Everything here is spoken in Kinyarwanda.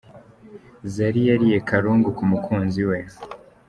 Zari yariye karungu ku mukunzi we.